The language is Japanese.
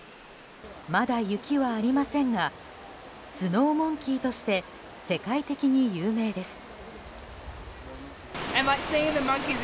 まだ雪はありませんがスノーモンキーとして世界的に有名です。